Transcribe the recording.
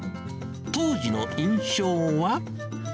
当時の印象は？